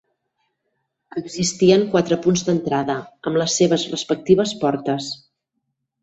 Existien quatre punts d'entrada, amb les seves respectives portes.